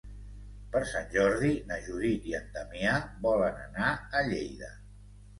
Per Sant Jordi na Judit i en Damià volen anar a Lleida.